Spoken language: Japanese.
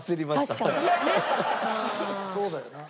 そうだよな。